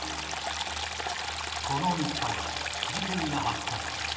この３日後、事件が発覚。